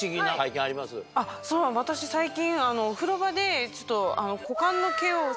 私最近。